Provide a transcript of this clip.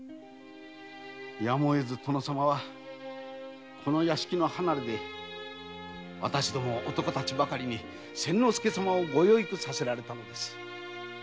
やむをえず殿様は屋敷の離れで男たちばかりに千之助様をご養育させられたのです。